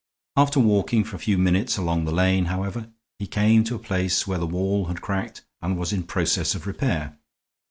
After walking for a few minutes along the lane, however, he came to a place where the wall had cracked and was in process of repair.